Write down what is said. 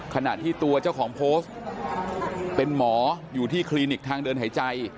ขณะที่ตัวเจ้าของโพสต์เป็นหมออยู่ที่คลินิกทางเดินหายใจ